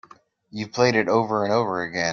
You've played it over and over again.